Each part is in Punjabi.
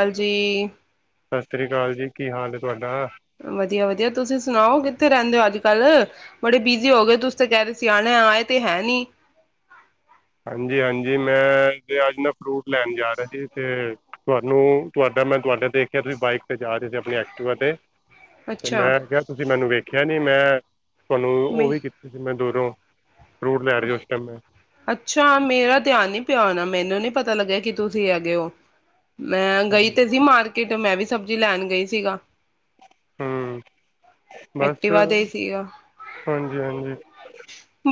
ਹਾਂਜੀ। ਸਤਿ ਸ੍ਰੀ ਅਕਾਲ ਜੀ ਕੀ ਹਾਲ ਹੈ, ਤੁਹਾਡਾ। ਵਧੀਆ ਵਧੀਆ ਤੁਸੀਂ ਸੁਣਾਓ ਕਿੱਥੇ ਰਹਿੰਦੇ ਹੋ ਅੱਜ ਕੱਲ ਬੜੇ ਬਿਜ਼ੀ ਹੋ ਗਏ ਤੁਸੀਂ ਤਾਂ ਕਹਿ ਰਹੇ ਸੀ ਆਣਾ ਆਏ ਤੇ ਹੈ ਨਹੀਂ। ਹਾਂਜੀ ਹਾਂਜੀ ਮੈਂ ਅੱਜ ਨਾ ਫਰੂਟ। ਲੈਣ ਜਾ ਰਿਹਾ ਜੀ ਤੇ ਤੁਹਾਨੂੰ ਤੁਹਾਡਾ ਮੈਂ ਤੁਹਾਡੇ ਦੇਖ ਕੇ ਤੁਸੀਂ ਬਾਈਕ ਤੇ ਜਾ ਰਹੇ ਸੀ ਆਪਣੀ ਐਕਟੀਵਾ ਤੇ। ਤੇ ਅੱਛਾ ਮੈਂ ਕਿਹਾ ਤੁਸੀਂ ਮੈਨੂੰ ਵੇਖਿਆ। ਨੀ ਮੈਂ ਤੁਹਾਨੂੰ ਉਹ ਮੈਂ ਵੀ ਕੀਤੀ ਸੀ। ਮੈਂ ਦੂਰੋਂ ਫਰੂਟ ਲੇ ਰਹੇ ਆ ਇਸ ਟਾਈਮ ਮੈਂ ਅੱਛਾ ਮੇਰਾ ਧਿਆਨ ਨੀ ਪਿਆ ਹੋਣਾ ਮੈਨੂੰ ਨੀ ਪਤਾ ਲੱਗਿਆ ਕਿ ਤੁਸੀਂ ਹੈਗੇ ਹੋ। ਮੈਂ ਗਈ ਹਾਂਜੀ। ਤਾਂ ਸੀਂ ਮਾਰਕੀਟ ਮੈਂ ਜਦੋਂ ਮੈਂ ਵੀ ਸਬਜ਼ੀ ਲੈਣ ਗਈ ਸੀਗਾ। ਹੁ ਐਕਟਿਵਾ ਤੇ ਹੀ ਸੀਗਾ ਹਾਂਜੀ ਹਾਂਜੀ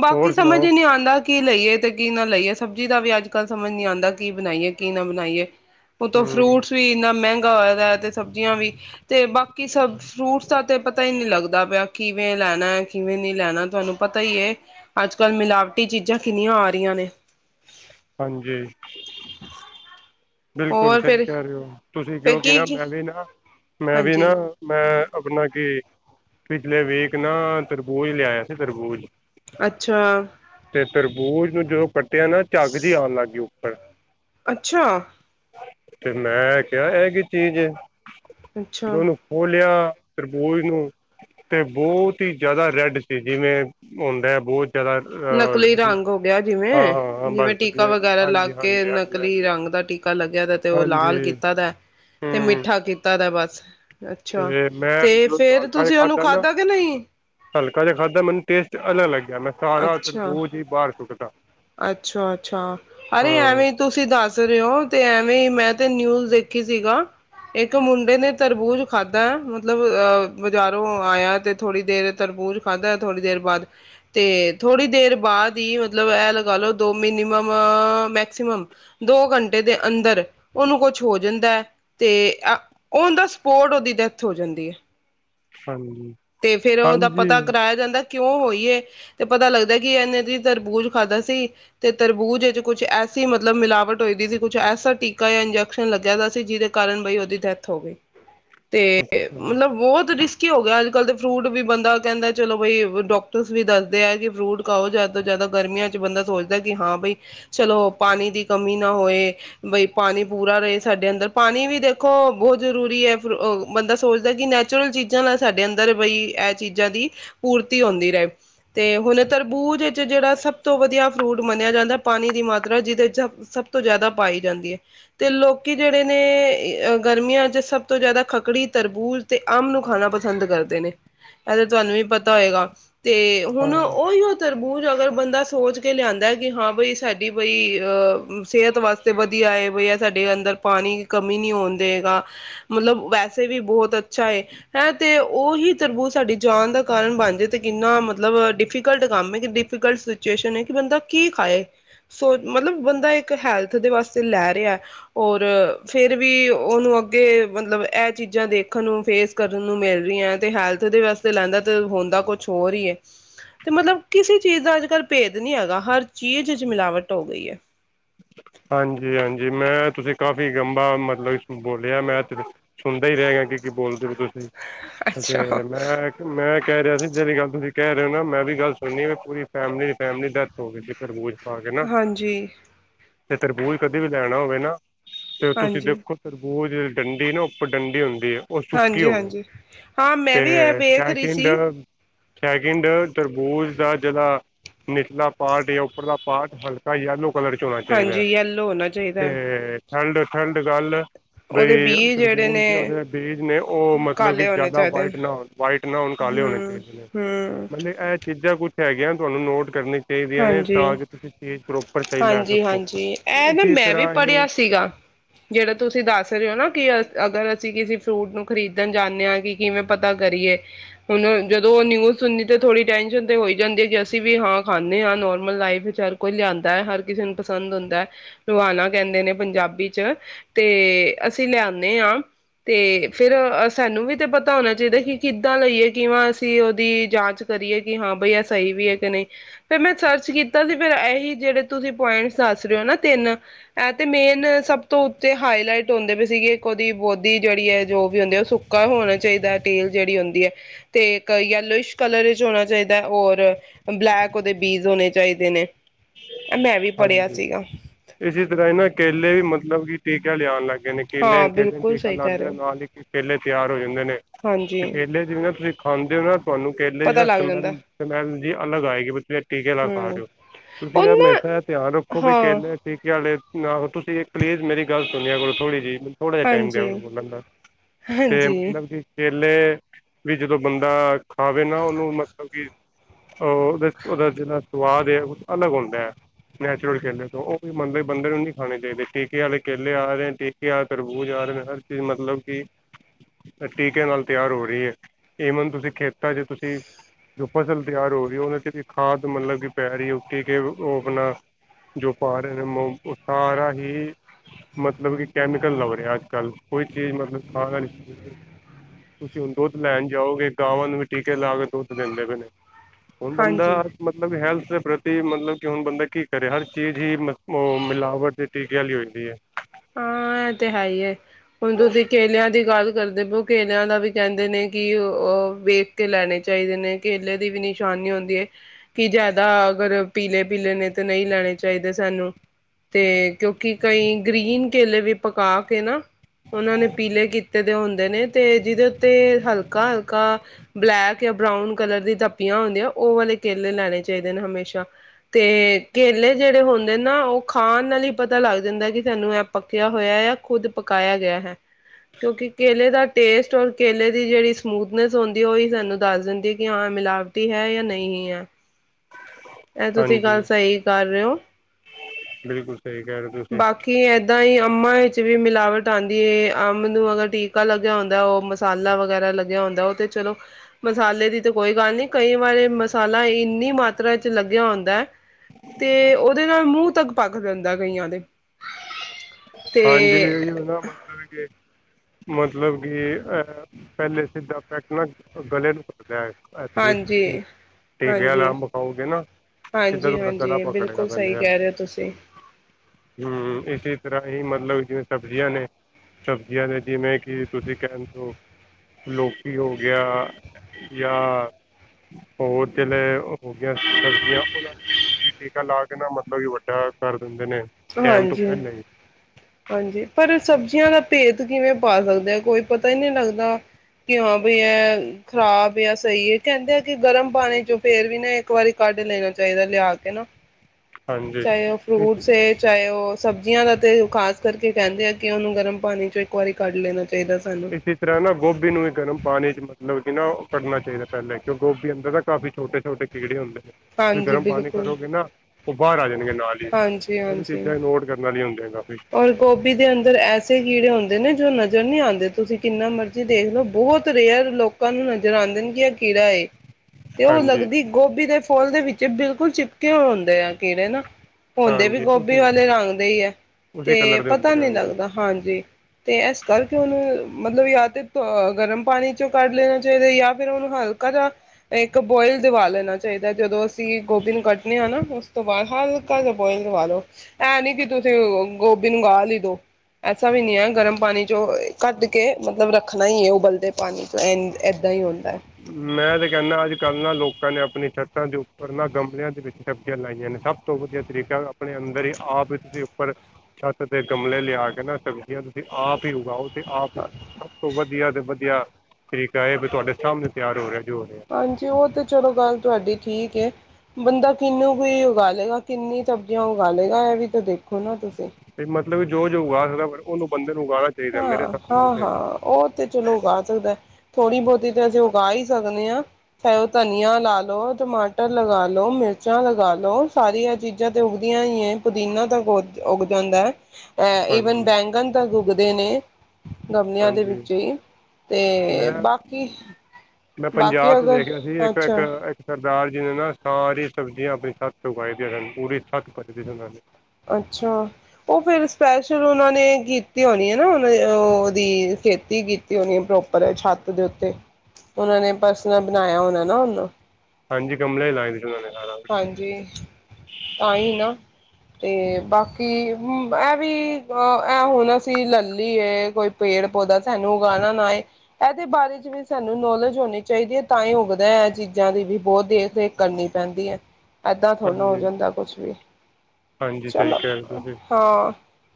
ਬਾਕੀ ਹੋਰ ਸਮਝ ਸੁਣਾਓ ਨੀ ਆਉਂਦਾ। ਕੀ ਲਈਏ ਤੇ ਕੀ ਨਾ ਲਈਏ ਸਬਜ਼ੀ ਦਾ ਵੀ ਅੱਜ ਕੱਲ੍ਹ ਸਮਝ ਨਹੀਂ ਆਉਂਦਾ ਕੀ ਬਣਾਈਏ ਕੀ ਨਾ ਬਣਾਈਏ। ਉਹ ਤਾਂ ਹੂੰ ਫਰੂਟਸ ਵੀ ਇਨਾ ਮਹਿੰਗਾ ਹੋਇਆ ਤੇ ਸਬਜ਼ੀਆਂ ਵੀ ਤੇ ਬਾਕੀ ਸਭ ਫਰੂਟਸ ਆ ਤੇ। ਪਤਾ ਹੀ ਨਹੀਂ ਲੱਗਦਾ ਪਿਆ ਕਿਵੇਂ ਲੈਣਾ ਹੈ ਕਿਵੇਂ ਨਹੀਂ ਲੈਣਾ ਤੁਹਾਨੂੰ ਪਤਾ ਹੀ ਹੈ ਅੱਜ ਕੱਲ ਮਿਲਾਵਟੀ ਚੀਜ਼ਾਂ ਕਿੰਨੀਆਂ ਆ ਰਹੀਆਂ ਨੇ। ਹਾਂਜੀ ਬਿਲਕੁਲ ਹੋਰ ਠੀਕ ਫਿਰ ਕਹਿ ਰਹੇ ਹੋ। ਤੁਸੀਂ ਕਿਉ ਕੀ ਨਾ ਮੈਂ ਵੀ ਨਾ ਮੈਂ ਵੀ ਹਾਂਜੀ ਨਾ ਮੈਂ ਆਪਣਾ ਕੀ ਪਿਛਲੇ ਵੇਖ ਨਾ ਤਰਬੂਜ਼ ਲਿਆਇਆ ਸੀ ਤਰਬੂਜ਼। ਅੱਛਾ ਤੇ ਤਰਬੂਜ ਨੂੰ ਜਦੋਂ ਕੱਟਿਆ ਨਾ ਝੱਗ ਜੀ ਆਉਣ ਲੱਗ ਪਈ। ਹ। ਅੱਛਾ! ਤੇ ਮੈਂ ਕਿਹਾ ਇਹਕੀ ਚੀਜ਼ ਏ। ਅੱਛਾ ਦੋਨੋ ਫੋਲਿਆਂ। ਤਰਬੋਜ ਨੂੰ ਤੇ ਬਹੁਤ ਹੀ ਜ਼ਿਆਦਾ ਰੈਡ ਸੀ ਜਿਵੇਂ ਹੁੰਦਾ ਹੈ। ਬਹੁਤ ਜ਼ਿਆਦਾ ਨਕਲੀ ਅਹ ਰੰਗ ਹੋ ਗਿਆ ਜਿਵੇਂ ਹਾਂ ਹਾਂ ਹਾਂ ਬਸ ਜਿਵੇਂ ਟੀਕਾ ਵਧੀਆ ਵਗੈਰਾ ਲੱਗ ਹਾਂਜੀ ਕੇ ਹਾਂਜੀ ਹਾਂਜੀ ਨਕਲੀ ਹਾਂਜੀ ਰੰਗ ਦਾ ਟੀਕਾ। ਲੱਗਿਆ ਦਾ ਤੇ ਉਹ ਲਾਲ ਹਾਂਜੀ ਕੀਤਾ ਦਾ ਤੇ ਹੂੰ ਮਿੱਠਾ ਕੀਤਾ। ਲੈ ਬਸ । ਤੇ ਮੈਂ ਜਦੋਂ ਹਲਕਾ ਜ ਉਹਨੂੰ ਖਾਧਾ ਨਾ ਕਿ ਨਹੀਂ ਹਲਕਾ ਜਿਹਾ ਖਾਧਾ ਮੈਨੂੰ ਟੇਸਟ ਅਲਗ ਲੱਗ ਗਿਆ । ਅੱਛਾ ਅੱਛਾ ਅੱਛਾ ਅਰੇ ਹਾਂ ਐਵੇਂ ਤੁਸੀਂ ਤਾਂ। ਹੱਸ ਰਹੇ ਹੋ ਤੇ ਐਵੇਂ ਹੀ ਮੈਂ ਤੇ ਨਿਊਜ ਦੇਖੀ ਸੀਗਾ ਇੱਕ ਮੁੰਡੇ ਨੇ ਤਰਬੂਜ ਖਾਧਾ ਮਤਲਬ ਬਾਜ਼ਾਰੋਂ ਆਇਆ ਤੇ ਥੋੜ੍ਹੀ ਦੇਰ ਤਰਬੂਜ ਖਾਧਾ ਥੋੜੀ ਦੇਰ ਬਾਅਦ। ਤੇ ਥੋੜ੍ਹੀ ਦੇਰ ਬਾਅਦ ਹੀ ਮਤਲਬ ਇਹ ਲਗਾ ਲਓ ਦੋ ਮਿਨੀਮਮ ਮੈਕਸੀਮਮ ਦੋ ਘੰਟੇ ਦੇ ਅੰਦਰ ਉਹਨੂੰ ਕੁਛ ਹੋ ਜਾਂਦਾ ਹੈ ਤੇ ਅ। ਉਨਦਾ ਸਪੋਰਟ ਉਹਦੀ । ਹੋ ਜਾਂਦੀ ਹੈ। ਹਾਂਜੀ। ਤੇ ਫੇਿਰ ਉਹਦਾ ਹਾਂਜੀ ਪਤਾ ਕਰਾਇਆ ਜਾਂ ਕਿਉਂ ਹੋਈਏ ਤੇ ਪਤਾ ਲੱਗਦਾ ਕਿ ਇਹਨੇ ਜ ਤਰਬੂਜ ਖਾਧਾ ਸੀ ਤੇ ਤਰਬੂਜ ਵਿੱਚ ਕੁਛ ਐਸੀ ਮਤਲਬ ਮਿਲਾਵਟ ਹੋਈ ਦੀ ਸੀ ਕੁਛ ਐਸਾ ਟੀਕਾ ਜਾਂ ਇੰਜੈਕਸ਼ਨ ਲੱਗਿਆ ਦਾ ਸੀ ਕਰਨ ਬਈ ਉਹਦੀ ਡੈਥ ਹੋ । ਤੇ ਹਾਂ ਮਤਲਬ ਬਹੁਤ ਕੀ ਹੋ ਗਿਆ ਅੱਜ ਕੱਲ ਤਾਂ ਫਰੂਟ ਵੀ ਬੰਦਾ ਕਹਿੰਦਾ ਚਲੋ ਬਈ ਡੋਕਟਰਸ ਵੀ ਦੱਸਦੇ ਹੈ ਕਿ ਫਰੂਟ ਖਾਓ ਜ਼ਿਆਦਾ ਤੋਂ ਜ਼ਿਆਦਾ ਗਰਮੀਆਂ ਚ ਬੰਦਾ ਸੋਚਦਾ ਕਿ ਹਾਂ ਬਈ ਚਲੋ ਪਾਣੀ ਦੀ ਕਮੀ ਨਾ ਹੋਏ ਬਈ ਪਾਣੀ ਪੂਰਾ ਰਹੇ ਸਾਡੇ ਅੰਦਰ ਪਾਣੀ ਵੀ ਦੇਖੋ ਬਹੁਤ ਜ਼ਰੂਰੀ ਹੈ ਫੇਰ ਓ ਬੰਦਾ ਸੋਚਦਾ ਕਿ ਨੈਚੁਰਲ ਚੀਜ਼ਾਂ ਨਾਲ ਬਈ ਇਹ ਚੀਜ਼ਾਂ ਦੀ ਪੂਰਤੀ ਹੁੰਦੀ ਰਹੇ ਤੇ ਹੁਣ ਤਰਬੂਜ਼ ਵਿੱਚ ਜਿਹੜਾ ਸਭ ਤੋਂ ਵਧੀਆ ਫਰੂਟ ਮੰਨਿਆ ਜਾਂਦਾ ਪਾਣੀ ਦੀ ਮਾਤਰਾ ਜਿਹਦੇ ਚ ਸਭ ਤੋਂ ਜ਼ਿਆਦਾ ਪਾਈ ਜਾਂਦੀ ਹੈ ਤੇ ਲੋਕੀ ਜਿਹੜੇ ਨੇ ਗਰਮੀਆਂ ਚ ਸਭ ਤੋਂ ਜ਼ਿਆਦਾ ਖੱਕੜੀ ਤਰਬੂਜ਼ ਤੇ ਅੰਮ ਨੂੰ ਖਾਣਾ ਪਸੰਦ ਕੀਤੇ ਨੇ ਇਹ ਤੇ ਤੁਹਾਨੂੰ ਵੀ ਪਤਾ ਹੋਏਗਾ । ਤੇ ਹੁਣ ਹਾਂ ਓਹੀਉ ਤਰਬੂਜ਼ ਅਗਰ ਬੰਦਾ ਸੋਚ ਕੇ ਲਿਆਂਦਾ ਹੈ ਕਿ ਹਾਂ ਬਈ ਸਾਡੀ ਬਈ ਸਿਹਤ ਵਾਸਤੇ ਵਧੀਆ ਹੈ ਬਈ ਸਾਡੇ ਅੰਦਰ ਪਾਣੀ ਦੀ ਕਮੀ ਨਹੀਂ ਹੋਣ ਦਏਗਾ ਮਤਲਬ ਵੈਸੇ ਵੀ ਬਹੁਤ ਅੱਛਾ ਏ ਹੈਂ ਤੇ । ਉਹ ਹੀ ਤਰਬੂਜ਼ ਸਾਡੀ ਜਾਨ ਦਾ ਕਾਰਨ ਬਣ ਜਾਏ ਤੇ ਕਿੰਨਾ ਮਤਲਬ ਡਿਫੀਕਲਟ ਕੰਮ ਹੈ, ਡਿਫੀਕਲਟ ਸਿਚੁਏਸ਼ਨ ਹੈ ਕਿ ਬੰਦਾ ਕੀ ਖਾਏ ਸੋ ਮਤਲਬ ਬੰਦਾ ਇੱਕ ਹੈਲਥ ਦੇ ਵਾਸਤੇ ਲੈ ਰਿਹਾ ਔਰ ਫਿਰ ਵੀ ਉਹਨੂੰ ਅੱਗੇ ਮਤਲਬ ਇਹ ਚੀਜ਼ਾਂ ਦੇਖਣ ਨੂੰ ਫੇਸ ਕਰਨ ਨੂੰ ਤੇ ਹੈਲਥ ਦੇ ਵਾਸਤੇ ਲੈਂਦਾ ਤੇ ਹੁੰਦਾ ਕੁਛ ਹੋਰ ਹੀ ਹੈ ਤੇ ਮਤਲਬ ਕਿਸੇ ਚੀਜ਼ ਦਾ ਅੱਜ ਕੱਲ ਭੇਦ ਨੀ ਹੈਗਾ, ਹਰ ਚੀਜ਼ ਚ ਮਿਲਾਵਟ ਹੋ ਗਈ ਹੈ। ਹਾਂਜੀ ਹਾਂਜੀ ਮੈਂ ਤੁਸੀਂ ਕਾਫ਼ੀ ਗੰਭਾ [unintelligible] ਮਤਲਬ ਬੋਲਿਆ ਤੇ ਮੈਂ ਸੁਣਦਾ ਹੀ ਰਹਿ ਗਿਆ ਕੀ ਕੀ ਬੋਲ ਤੁਸੀਂ, ਅੱਛਾ ਤੇ ਮੈਂ ਮੈਂ ਕਹਿ ਰਿਹਾ ਸੀ, ਜਿਹੜੀ ਗੱਲ ਤੁਸੀਂ ਕਹਿ ਰਹੇ ਹੋ ਨਾ ਮੈਂ ਵੀ ਗੱਲ ਸੁਣੀ ਵੀ ਪੂਰੀ ਫੈਮਲੀ ਫੈਮਲੀ ਡੈਥ ਹੋ ਗਈ ਸੀ ਤਰਬੂਜ਼ ਹਾਂਜੀ। ਤੇ ਤਰਬੂਜ਼ ਕਦੇ ਵੀ ਲੈਣਾ ਹੋਵੇ ਨਾ ਫਿਰ ਤੁਸੀਂ ਹਾਂਜੀ ਦੇਖੋ ਤਰਬੂਜ਼ ਤੇ ਡੰਡੀ ਨਾ ਉੱਪਰ ਡੰਡੀ ਹੁੰਦੀ ਹੈ ਉਹ ਸੁੱਕੀ ਹਾਂਜੀ ਹੋਵੇ ਹਾਂਜੀ ਹਾਂ ਮੈਂ ਤੇ ਵੀ ਇਹ ਵੇਖ ਰਹੀ ਸੈਕਿੰਡ ਸੀ ਸੈਕਿੰਡ ਤਰਬੂਜ ਦਾ ਜਿਹੜਾ ਨਿਚਲਾ ਪਾਰਟ ਉੱਪਰ ਦਾ ਪਾਰਟ ਹਲਕਾ ਯੇਲੋ ਕਲਰ ਚ ਹੋਣਾ ਚਾਹੀਦਾ ਹੈ ਹਾਂਜੀ ਯੈਲੋ ਹੋਣਾ ਚਾਹੀਦਾ ਹੈ, ਤੇ ਠੰਡ ਤੇ ਗੱਲ ਉਹਦੇ ਬਈ ਬੀਜ ਜਿਹੜੇ ਤਰਬੂਜ਼ ਨੇ ਉਹਦੇ ਬੀਜ ਨੇ ਉਹ ਮਤਲਬ ਕਿ ਕਾਲੇ ਹੋਣੇ ਜ਼ਿਆਦਾ ਚਾਹੀਦੇ ਵਾਈਟ ਨੇ ਨਾ ਵਾਈਟ ਨਾ ਹੋਣ ਕਾਲੇ ਹੋਣੇ ਹਮ ਚਾਹੀਦੇ ਨੇ। ਹਮ ਮਤਲਬ ਇਹ ਚੀਜ਼ਾਂ ਕੁ ਹੈਗੇ ਆ ਤੁਹਾਨੂੰ ਨੋਟ ਕਰਨੇ ਚਾਹੀਦੀਆਂ ਨੇ ਤਾਂ ਕਿ ਤੁਸੀਂ ਚੀਜ਼ ਪ੍ਰੋਪਰ ਸਹੀ ਲੈ ਸਕੋ। ਜੀ ਹਾਂਜੀ, ਇਹ ਨਾ ਇਸੀ ਮੈਂ ਵੀ ਤਰ੍ਹਾਂ ਹੀ ਪੜ੍ਹਿਆ ਸੀਗਾ ਜਿਹੜਾ ਤੁਸੀਂ ਦੱਸ ਰਹੇ ਹੋ ਨਾ ਕਿ ਅਗਰ ਅਸੀਂ ਕਿਸੀ ਫਰੂਟ ਨੂੰ ਖਰੀਦਣ ਜਾਂਣੇ ਹਾਂ ਕਿ ਕਿਵੇਂ ਪਤਾ ਕਰੀਏ, ਹੁਣ ਜਦੋਂ ਉਹ ਨਿਊਜ਼ ਸੁਣੀ ਤੇ ਥੋੜ੍ਹੀ ਟੈਨਸ਼ਨ ਤੇ ਹੋਈ ਜਾਂਦੀ ਹੈ। ਜੇ ਅਸੀਂ ਵੀ ਹਾਂ ਖਾਂਣੇ ਹਾਂ ਨੌਰਮਲ ਲਾਈਫ ਵਿੱਚ ਹਰ ਕੋਈ ਲਿਆਂਦਾ ਹੈ। ਹਰ ਕਿਸੇ ਨੂੰ ਪਸੰਦ ਹੁੰਦਾ ਹੈ। ਰੋਹਾਣਾ ਕਹਿੰਦੇ ਨੇ ਪੰਜਾਬੀ ਚ, ਤੇ ਅਸੀਂ ਲਿਆਂਣੇ ਹਾਂ ਤੇ ਫਿਰ ਸਾਨੂੰ ਵੀ ਤੇ ਪਤਾ ਹੋਣਾ ਚਾਹੀਦਾ ਕਿ ਕਿੱਦਾਂ ਲਈਏ? ਕਿਵਾਂ ਅਸੀਂ ਉਹਦੀ ਜਾਂਚ ਕਰੀਏ? ਕਿ ਹਾਂ ਬਈ ਇਹ ਸਹੀ ਵੀ ਹੈ ਕਿ ਨਹੀਂ? ਫਿਰ ਮੈਂ ਸਰਚ ਕੀਤਾ ਸੀ। ਫਿਰ ਇਹੀ ਜਿਹੜੇ ਤੁਸੀਂ ਪੁਆਇੰਟਸ ਦੱਸ ਰਹੇ ਹੋ ਨਾ ਤਿੰਨ, ਇਹ ਤੇ ਮੇਨ ਸਭ ਤੋਂ ਉਤੇ ਹਾਈਲਾਈਟ ਹੁੰਦੇ ਵੀ ਸੀਗੇ। ਇੱਕ ਉਹਦੀ ਬੋਦੀ ਜਿਹੜੀ ਹੈ ਜੋ ਵੀ ਹੁੰਦੀ ਉਹ ਸੁੱਕਾ ਹੋਣਾ ਚਾਹੀਦਾ, ਤੇਲ ਜਿਹੜੀ ਹੁੰਦੀ ਹੈ। ਤੇ ਇੱਕ ਯੈਲੋਇਸ਼ ਕਲਰ ਵਿੱਚ ਹੋਣਾ ਚਾਹੀਦਾ ਔਰ ਬਲੈਕ ਓਹਦੇ ਬੀਜ ਹੋਣੇ ਚਾਹੀਦੇ ਨੇ। ਇਹ ਮੈਂ ਵੀ ਪੜ੍ਹਿਆ ਹਾਂਜੀ, ਸੀਗਾ ਇਸੇ ਤਰ੍ਹਾਂ ਹੀ ਨਾ ਕੇਲੇ ਵੀ ਮਤਲਬ ਕਿ ਟੀਕੇ ਆਲੇ ਆਉਣ ਲਗ ਨੇ ਹਾਂ ਕੇਲੇ, ਕੇਲੇ ਨੂੰ ਬਿਲਕੁਲ ਟੀਕਾ ਸਹੀ ਕਹਿ ਲਾਂਦੇ ਰਹੇ ਨੇ ਹੋ ਨਾਲ ਹੀ ਕੇਲੇ ਤਿਆਰ ਹੋ ਜਾਣ। ਨੇ ਹਾਂਜੀ ਕੇਲੇ ਜਿਵੇਂ ਨਾ ਤੁਸੀਂ ਖਾਂਦੇ ਹੋ ਨਾ, ਤੁਹਾਨੂੰ ਕੇਲੇ ਚ ਪਤਾ ਨਾ ਲੱਗ ਜਾਂਦਾ ਸਮੈਲ-ਸਮੈਲ ਜੇ ਅਲੱਗ ਆਏਗੀ [unintelligible] ਟੀਕੇ ਲਾ ਖਾ ਰਹੇ ਹਮ ਹੋ। ਤੁਸੀਂ ਉਹ ਆ ਨਾ ਮੈਥ ਰੁਕੋ ਵੀ ਹਾਂ ਕੇਲੇ ਠੀਕੇ ਆ [unintelligible] ਨਾਲੋਂ ਤੁਸੀਂ ਇੱਕ ਪਲੀਜ਼ ਮੇਰੀ ਗੱਲ ਸੁਣਿਆ ਕਰੋ ਥੋੜੀ ਜਿਹੀ। ਮੈਨੂੰ ਥੋੜਾ ਜਿਹਾ ਟਾਈਮ ਦੇਆ ਹਾਂਜੀ ਕਰੋ ਬੋਲਣ ਦਾ, ਤੇ ਹਾਂਜੀ ਮਤਲਬ ਤੇ ਕੇਲੇ ਵੀ ਜਦੋਂ ਬੰਦਾ ਖਾਵੇ ਨਾ ਉਹਨੂੰ ਮਤਲਬ ਕਿ ਉਹ ਉਹਦੇ ਚ ਉਹਦਾ ਜੇਲਾ ਸਵਾਦ ਯਾ ਕੁਛ ਅਲੱਗ ਹੁੰਦਾ ਹੈ। ਨੈਚੁਰਲ ਕੇਲੇ ਤੋਂ ਉਹ ਵੀ ਮਤਲਬ ਬੰਦੇ ਨੂੰ ਨਹੀਂ ਖਾਣੇ ਚਾਹੀਦੇ। ਟੀਕੇ ਆਲੇ ਕੇਲੇ ਆ ਰਹੇ ਨੇ। ਟੀਕੇ ਆਲੇ ਤਰਬੂਜ਼ ਆ ਰਹੇ ਨੇ। ਹਰ ਚੀਜ਼ ਮਤਲਬ ਕਿ ਟੀਕੇ ਨਾਲ ਤਿਆਰ ਹੋ ਰਹੀ ਹੈ। ਈਵਨ ਤੁਸੀਂ ਖੇਤਾਂ ਚ ਤੁਸੀਂ ਜੋ ਫਸਲ ਤਿਆਰ ਹੋ ਰਹੀ ਹੋ ਉਹਨਾਂ ਚ ਵੀ ਖਾਦ ਮਤਲਬ ਕਿ ਪੈ ਰਹੀ ਹੋ ਟੀਕੇ ਉਹ ਆਪਣਾ ਜੋ ਪਾ ਰਹੇ ਨੇ ਮੋਮ ਉਹ ਤਾਰਾ ਹੀ ਮਤਲਬ ਕਿ ਕੈਮੀਕਲ ਲੱਗ ਰਿਹਾ ਅੱਜ ਕੱਲ, ਕੋਈ ਚੀਜ਼ ਮਤਲਬ ਖਾਣ ਆਲੀ, ਤੁਸੀਂ ਹੁਣ ਦੁੱਧ ਲੈਣ ਜਾਓਗੇ ਗਾਵਾਂ ਨੂੰ ਵੀ ਟੀਕੇ ਲਾ ਕੇ ਦੁੱਧ ਦਿੰਦੇ ਬਏ ਨੇ। ਹੁਣ ਬੰਦਾ ਹਾਂਜੀ ਮਤਲਬ ਹੈਲਥ ਪ੍ਰਤੀ ਮਤਲਬ ਕਿ ਹੁਣ ਬੰਦਾ ਕੀ ਕਰੇ? ਹਰ ਚੀਜ਼ ਹੀ ਮ ਉਹ ਮਿਲਾਵਟ ਦੇ ਟੀਕੇ ਆਲੀ ਹੋਈ ਪਈ ਹੈ। ਹਾਂ ਇਹ ਤੇ ਹੈ ਹੀ, ਹੁਣ ਤੁਸੀਂ ਕੇਲਿਆਂ ਦੀ ਗੱਲ ਕਰਦੇ ਬੇਓ, ਕੇਲਿਆਂ ਦਾ ਵੀ ਕਹਿੰਦੇ ਨੇ ਕਿ ਉਹ-ਉਹ ਵੇਖ ਕੇ ਲੈਣੇ ਚਾਹੀਦੇ ਨੇ। ਕੇਲੇ ਦੀ ਵੀ ਨਿਸ਼ਾਨੀ ਹੁੰਦੀ ਹੈ। ਕਿ ਜਿਆਦਾ ਅਗਰ ਪੀਲੇ ਪੀਲੇ ਨੇ ਤਾਂ ਨਹੀਂ ਲੈਣੇ ਚਾਹੀਦੇ ਸਾਨੂੰ। ਤੇ ਕਿਉਂਕਿ ਕਈ ਗ੍ਰੀਨ ਕੇਲੇ ਵੀ ਪਕਾ ਕੇ ਨਾ ਉਹਨਾਂ ਨੇ ਪੀਲੇ ਕੀਤੇ ਦੇ ਹੁੰਦੇ ਨੇ, ਤੇ ਜਿਹਦੇ ਉੱਤੇ ਹਲਕਾ-ਹਲਕਾ ਬਲੈਕ ਜਾਂ ਬਰਾਊਨ ਕਲਰ ਦੀ ਧੱਪੀਆਂ ਹੁੰਦੀਆਂ, ਉਹ ਵਾਲੇ ਕੇਲੇ ਲੈਣੇ ਚਾਹੀਦੇ ਨੇ ਹਮੇਸ਼ਾ। ਤੇ ਕੇਲੇ ਜਿਹੜੇ ਹੁੰਦੇ ਨਾ ਉਹ ਖਾਣ ਨਾਲ ਹੀ ਪਤਾ ਲੱਗ ਜਾਂਦਾ ਕਿ ਤੇਨੂੰ ਇਹ ਪੱਕਿਆ ਹੋਇਆ ਯਾ ਖੁਦ ਪਕਾਇਆ ਗਿਆ ਹੈ। ਕਿਉਂਕਿ ਕੇਲੇ ਦਾ ਟੇਸਟ ਔਰ ਕੇਲੇ ਦੀ ਜਿਹੜੀ ਸਮੂਥਨੈਸ ਹੁੰਦੀ ਹੈ ਉਹੀ ਸਾਨੂੰ ਦੱਸ ਦਿੰਦੀ ਹੈ ਕਿ ਹਾਂ ਮਿਲਾਵਟੀ ਹੈ ਜਾਂ ਨਹੀਂ ਹੈ। ਇਹ ਤੁਸੀਂ ਗੱਲ ਹਾਂਜੀ ਸਹੀ ਕਰ ਰਹੇ ਹੋ। ਬਿਲਕੁਲ ਸਹੀ ਕਹਿ ਰਹੇ ਹੋ ਤੁਸੀਂ। ਬਾਕੀ ਏਦਾਂ ਹੀ ਅੰਮਾਂ ਵਿੱਚ ਵੀ ਮਿਲਾਵਟ ਆਉਂਦੀ ਹੈ। ਅੰਮ ਨੂੰ ਅਗਰ ਟੀਕਾ ਲੱਗਿਆ ਹੁੰਦਾ ਉਹ ਮਸਾਲਾ ਵਗੈਰਾ ਲੱਗਿਆ ਹੁੰਦਾ, ਉਹ ਤੇ ਚਲੋ ਮਸਾਲੇ ਦੀ ਤਾਂ ਕੋਈ ਗੱਲ ਨਹੀਂ, ਕਈ ਵਾਰੀ ਮਸਾਲਾ ਇੰਨੀ ਮਾਤਰਾ ਚ ਲੱਗਿਆ ਹੁੰਦਾ ਹੈ ਤੇ ਉਹਦੇ ਨਾਲ ਮੂੰਹ ਤੱਕ ਪੱਕ ਦਿੰਦਾ ਕਈਆਂ ਦੇ। [inaudible] ਹਾਂਜੀ ਤੇ ਓਹੀਓ ਨਾ ਮਤਲਬ ਕੇ ਮਤਲਬ ਕਿ ਅ ਪਹਿਲੇ ਸਿੱਧਾ ਅਫੈਕਟ ਨਾ ਗਲੇ ਨੂੰ ਪੇ ਹਾਂਜੀ, [unintelligible] ਟੀਕੇ ਆਲਾ ਹਾਂਜੀ। ਅੰਬ ਖਾਓਗੇ ਨਾ, ਸਿੱਧਾ ਤੋਂ ਗਗੜਾ ਹਾਂਜੀ-ਹਾਂਜੀ, ਪਕੜੇਗਾ ਬਿਲਕੁਲ ਪਹਿਲੇ ਸਹੀ ਏਹ, ਕਹਿ ਰਹੇ ਹੋ ਤੁਸੀਂ ਹਮ ਇਸੇ ਤ ਅਸੀਂ ਮਤਲਬ ਜਿਵੇਂ ਸਬਜ਼ੀਆਂ ਨੇ ਸਬਜ਼ੀਆਂ ਨੇ ਜਿਵੇਂ ਕਿ ਤੁਸੀਂ ਕਹਿਣਦੇ ਹੋ ਲੋਕੀ ਹੋ ਗਿਆ ਜਾਂ ਹੋਰ ਜਿਹੜੇ ਹੋ ਗਆਂ ਸਬਜ਼ੀਆਂ ਉਹਨਾਂ ਨੂੰ ਟੀਕਾ ਲਾ ਕੇ ਨਾ ਮਤਲਬ ਕਿ ਵੱਡਾ ਕਰ ਦ। ਟੈਮ ਤੋਂ ਹਾਂਜੀ। ਪਹਿਲੇ ਹੀ। ਹਾਂਜੀ ਪਰ ਸਬਜ਼ੀਆਂ ਦਾ। ਭੇਤ ਕਿਵੇਂ ਪਾ ਸਕਦੇ ਆ ਕੋਈ ਪਤਾ ਹੀ ਨਹੀਂ ਲੱਗਦਾ ਕਿ ਹਾਂ ਬਈ ਇਹ ਖਰਾਬ ਹੈ ਜਾਂ ਸਹੀ ਹੈ ਕਹਿੰਦੇ ਆ ਕਿ ਗਰਮ ਪਾਣੀ ਚ ਫੇਰ ਵੀ ਨਾ ਇੱਕ ਵਾਰੀ ਕੱਢ ਲੈਣਾ ਚਾਹੀਦਾ ਲਿਆ ਕੇ ਨਾ। ਹਾਂਜੀ ਚਾਹੇ ਉਹ ਫਰੂਟਸ ਏ ਚਾਹੇ ਉਹ ਸਬਜ਼ੀਆਂ ਦਾ ਤੇ ਖਾਸ ਕਰਕੇ ਕਹਿੰਦੇ ਆ ਕਿ ਉਹਨੂੰ ਗਰਮ ਪਾਣੀ ਚੋਂ ਇੱਕ ਵਾਰੀ ਕੱਢ ਲੈਣਾ ਚਾਹੀ ਇਸੇ ਤਰ੍ਹਾਂ ਨਾ ਗੋਭੀ ਨੂੰ ਹੀ ਗਰਮ ਪਾਣੀ ਚ ਮ ਮਤਲਬ ਨਾ ਕੱਨਾ ਚਾਹੀਦਾ ਪਹਿਲੇਾਂਉਂ ਗੋਭੀ ਅੰਦਰ ਤਾਂ ਕਾਫੀ ਛੋਟੇ-ਛੋਟੇ ਕੀੜੇ ਹੁੰਦੇ। ਨੇ ਤੁਸੀਂ ਹਾਂਜੀ ਗਰਮ ਪਾਣੀ ਬਿਲਕੁਲ ਕਰੋਗੇ ਨਾ ਉਹ ਬਾਹਰ ਆ ਜਾਣਗੇ ਨਾਲ ਹੀ ਇਹ ਵੀ ਹਾਂਜੀ-ਹਾਂਜੀ। ਚੀਜ਼ਾਂ ਨੋਟ ਕਰਨ ਵਾਲੀ ਹੁੰਦੇਆਂਮਮ ਨੇ। ਔਰ ਗੋਭੀ ਦੇ ਅੰਦਰ ਐਸੇ ਕੀੜੇ ਹੁੰਦੇ ਨੇ ਜੋ ਨ ਨਜ਼ਰ ਨਜ਼ਰ ਨਹੀਂ ਆਂਦੇ ਤੁਸੀਂ ਕਿੰਨਾ ਮਰਜ਼ੀ ਦੇਖਲੋ ਬਹੁਤ [unintelligible] ਕੀੜਾ ਏ ਤੇ ਉਹ ਹਾਂਜੀ ਲੱਗਦੀ ਗੋਭੀ ਦੇ, ਫੁੱਲ ਦੇ ਵਿੱਚ ਬਿਲਕੁਲ ਚਿਪਕੇ ਹੁੰਦੇ ਆ ਕੀੜੇ ਨਾ, ਹੁਦੇ ਵੀ ਹਾਂਜੀ ਗੋਭੀ ਉਸੀ ਵਾਲੇ ਰੰਗ ਦੇ ਹੀ ਹੈ। ਉਸੀ ਕਲਰ ਦੇ ਹੁੰਦੇ ਪਤਾ ਨੇ ਨਹੀਂ ਹਾਂਜੀ ਲੱਗਦਾ ਹਾਂ ਜ ਤੇ ਇਸ ਕਰਕੇ ਉਹਨੂੰ ਮਤਲਬ ਜਾਂ ਤੇ ਗਰਮ ਪਾਣੀ ਚੋਂ ਕੱਢ ਲੈਣਾ ਚਾਹੀਦਾ ਜਾਂ ਫਿਰ ਉਹਨੂੰ ਹਲਕਾ ਜਾ ਇੱਕ ਬੋਇਲ ਦਵਾ ਲੈਣਾ ਚਾਹੀਦਾ ਜਦੋਂ ਅ ਕਿ ਗੋਭੀ ਨੂੰ ਕੱਟਣੇ ਹਾਂ ਨਾ ਉ ਬਸ ਹਲਕਾ ਜਾ ਬੋਇਲ ਕਰਵਾ ਦੋ ਐਂ ਨੀ ਕਿ ਤੁਸੀ, ਗੋਭੀ ਨੂੰ ਗਾਲ ਈ ਦਉ ਐਸਾ ਵੀ ਨਹੀਂ ਹੈ ਗਰਮ ਪਾਣੀ ਚੋਂ ਕੱਢ ਕੇ ਮਤਲਬ ਰੱਖਣਾ ਹੀ ਹੈ ਉਬਲਦੇ ਪਾਣੀ ਚ ਏਦਾਂ ਹੀ ਹ ਮੈਂ ਤੇ ਕਹਿੰਦਾ ਅੱਜ ਕੱਲ੍ਹ ਨਾ ਲੋਕਾਂ ਨੇ ਆ ਆਪਣੀ ਛੱਤਾਂ ਦੇ ਉੱਪਰ ਨਾ ਗਮਲਿਆਂ ਦੇ ਵਿੱਚ ਸਬਜ਼ੀਆਂ ਲਾਈਆਂ ਨੇ ਸਭ ਤੋਂ ਵਧੀਆ ਤਰੀਕਾ ਆਪਣੇ ਅੰਦਰ ਹੀ ਆਪ ਹੀ ਤੁਸੀਂ ਉੱਪਰ ਛੱਤ ਤੇ ਗਮਲੇ ਲਿਆ ਕੇ ਨਾ ਸਬਜ਼ੀਆਂ ਤੁਸੀਂ ਆਪ ਹੀ ਉਗਾਓ। ਅਤੇ ਆਪ ਸਭ ਤੋਂ ਵਧੀਆ ਤੇ ਵਧੀਆ, ਠੀਕ ਆ ਇਹ ਵੀ ਤੁਹਾਡੇ ਸਾਹਮ ਤਿਆਰ ਹੋ ਰਿਹਾ। ਜੋ ਹੋ ਰਿਹਾ ਹਾਂਜੀ ਉਹ ਤੇ ਚਲੋ ਗੱਲ ਤੁਹਾਡੀ, ਠੀਕ ਏ ਬੰਦਾ ਕਿਹਨੂੰ ਕੋਈ ਉਗਾ ਲਏਗਾ ਕਿੰਨੀ ਸਬਜ਼ੀਆਂ ਉਗਾ ਲਏਗਾ ਇਹ ਵੀ ਤਾਂ ਦੇਖੋ ਨਾ ਤਸ ਤੇ ਮ ਮਤਲਬ ਜੋ-ਜੋ ਓਗਾ ਸਕਦਾ ਪਰ ਉਹਨੂੰ ਬੰਦਾ, ਹਾਂ-ਹਾਂ-ਹਾਂ ਉਹ ਤੇ ਚਲੋ ਉਗਾ ਸਕਦਾ, ਥੋੜ੍ਹੀ ਬਹੁਤੀ ਤਾਂ ਅਸੀਂ ਉਗਾ ਹੀ ਸਕਦੇ ਹਾਂ। ਚਾਹੇ ਉਹ ਧਨੀਆ ਲਾ ਲਓ, ਟਮਾਟਰ ਲਗਾ ਲੋ, ਮਿਰਚਾਂ ਲਗਾ ਲਓ, ਸਾਰੀਆਂ ਚੀਜ਼ਾਂ ਤੇ ਉਗਦੀਆਂ ਹੀ ਹੈ ਪੁਦੀਨਾ ਤੱਕ ਉ ਉਗ ਜਾਂਦਾ ਹੈ। ਅ ਈਵਨ ਹਾਂਜੀ ਬੈਂਗਨ ਤੱਕ ਉਗਦੇ ਨੇ ਗਮਲਿਆਂ ਦੇ ਹਾਂਜੀ ਵਿੱਚ ਹੀ, ਤੇ ਮੈਂ ਬਾਕੀ ਮੈਂ ਬਾਕੀ ਪੰਜਾਬ ਚ ਅਗਰ ਦੇਖਿਆ ਸੀ ਇੱਕ-ਇੱਕ, ਅੱਛਾ ਇਕ ਸਰਦਾਰ ਜੀ ਨੇ ਨਾ ਸਾਰੀ ਸਬਜ਼ੀਆਂ ਆਪਣੀ ਛੱਤ ਤੇ ਉਗਾਈ ਦੀਆਂ ਸਨ, ਪੂਰੀ ਛੱਤ ਭਰਤੀ ਸੀ ਉਹ ਨੇ ਤੇ ਕੀਤੀ ਹੋਣੀ ਹੈ ਨਾ ਉਹ ਉਹਦੀ ਖੇਤੀ ਕੀਤੀ ਹੋਣੀ ਹੈ ਪ੍ਰੋਪਰ ਛੱਤ ਦੇ ਉੱਤੇ, ਉਹਨਾਂ ਨੇ ਪਰਸਨਲ ਬਣਾਇਆ ਹੋਣਾ ਨਾ ਉਹਨਾਂ ਹਾਂਜੀ, ਗਮਲੇ ਹੀ ਲਾਏ ਸੀ ਉਹਨਾਂ ਨੇ ਸਾਰਾ ਕੁਛ ਹਾਂਜੀ, ਤਾਂ ਹੀ ਨਾ। ਤੇ ਬਾਕੀ ਇਹ ਵੀ ਅਹ ਇਹ ਹੁਣ ਅਸੀਂ ਲੈ ਲਈਏ ਕੋਈ ਪੇੜ-ਪੌਦਾ ਸਾਨੂੰ ਉਗਾਉਣਾ ਨਾ ਏ, ਇਹਦੇ ਬਾਰੇ ਚ ਵੀ ਸਾਨੂੰ ਨੌਲੇਜ ਹੋਣੀ ਚਾਹੀਦੀ ਹੈ ਤਾਂ ਹੀ ਉਗਦਾ ਹੈ ਇਹ ਚੀਜ਼ਾਂ ਦੀ ਵੀ ਬਹੁਤ ਦੇਖ ਰੇਖ ਕਰਨੀ ਪੈਂਦੀ ਹੈ। ਏਦਾਂ ਥੋੜ੍ਹਾ ਹੋ ਹਾਂਜੀ ਜਾਂਦਾ ਕੁਛ ਵੀ ਹਾਂਜੀ ਸਹੀ ਚਲੋ, ਕਹਿ ਰਹੇ ਤੁਸੀਂ ਹਾਂ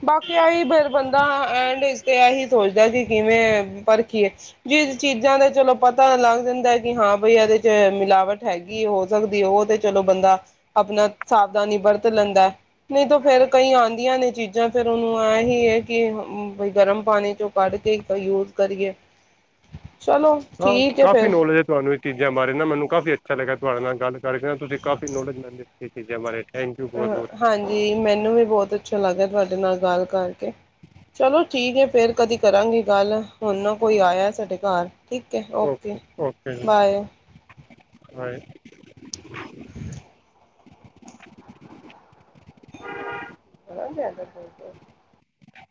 ਬਾਕੀ ਆਹੀ ਫਿਰ ਬੰਦਾ ਐਂਡ ਇਸ ਤੇ ਇਹੀ ਸੋਚਦਾ ਹੈ ਵੀ ਕਿਵੇਂ ਪਰਖੀਏ ਜਿਸ ਚੀਜ਼ਾਂ ਦਾ ਚਲੋ ਪਤਾ ਲੱਗ ਜਾਂਦਾ ਹੈ ਕਿ ਹਾਂ ਬਈ ਇਹਦੇ ਚ ਮਿਲਾਵਟ ਹੈਗੀ ਹੈ, ਹੋ ਸਕਦੀ ਉਹਦੀ ਏ। ਚਲੋ ਬੰਦਾ ਆਪਣਾ ਸਾਵਧਾਨੀ ਵਰਤ ਲੈਂਦਾ ਹੈ, ਨਹੀਂ ਤਾਂ ਫੇਰ ਕਈ ਆਦੀਆਂ ਨੇ ਕਈ ਚੀਜ਼ਾਂ ਫਿਰ ਉਹਨੂੰ ਐ ਹੀ ਹੈ ਕਿ ਗਰਮ ਪਾਣੀ ਚੋਂ ਕੱਢ ਕੇ ਯੂਜ ਕਰੀਏ। ਚਲੋ, ਹਾਂ ਠੀਕ ਹੈ ਕਾਫ਼ੀ ਫਿਰ। ਨੌਲੇਜ ਹੈ ਤੁਹਾਨੂੰ ਇਹ ਚੀਜ਼ਾਂ ਬਾਰੇ ਨਾ ਮੈਨੂੰ ਕਾਫੀ ਅੱਛਾ ਲੱਗਿਆ ਤੁਹਾਡੇ ਨਾਲ ਗੱਲ ਕਰਕੇ ਨਾ, ਤੁਸੀਂ ਕਾਫੀ ਨੋਲੇਜ ਮਿਲਦੇ ਇਹ ਚੀਜ਼ਾਂ ਬਾਰੇ। ਥੈਂਕ ਯੂ ਬਹੁਤ ਬਹੁਤ ਅ ਹਾਂਜੀ, ਮੈਨੂੰ ਵੀ ਬਹੁਤ ਅੱਛਾ ਲੱਗਿਆ ਤੁਹਾਡੇ ਨਾਲ ਗੱਲ ਕਰਕੇ, ਚਲੋ ਠੀਕ ਹੈ ਫੇਰ ਕਦੀ ਕਰਾਂਗੇ ਗੱਲ। ਹੁਨ ਕੋਈ ਆਇਆ ਸਾਡੇ ਘਰ, ਠੀਕ ਹੈ ਓਕੇ, ਓਕੇ ਜੀ ਬਾਏ। [inaudible] [inaudible] [inaudible] ਬੜਾ ਧਿਆਨ ਰਖਦੇ ਓ।